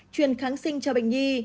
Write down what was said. truyền kháng sinh cho bệnh nhi